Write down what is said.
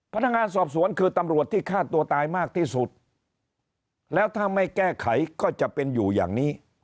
พนักงานสอบสวนคือตำรวจที่ฆ่าตัวตายมากที่สุดแล้วถ้าไม่แก้ไขก็จะเป็นอยู่อย่างนี้